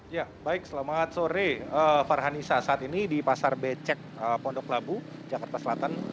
ya baik selamat sore farhanisa saat ini di pasar becek pondok labu jakarta selatan